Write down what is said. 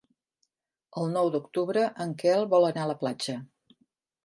El nou d'octubre en Quel vol anar a la platja.